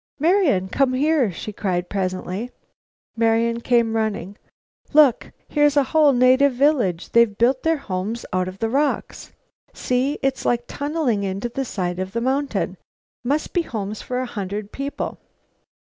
"Marian, come here!" she cried presently. Marian came running. "Look! Here's a whole native village! They've built their homes out of rocks. See! It's like tunneling into the side of the mountain. Must be homes for a hundred people!"